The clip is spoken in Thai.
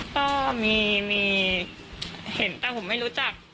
ก็มีเห็นแต่ผมไม่รู้จัก